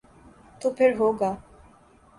تو پھر ہو گا۔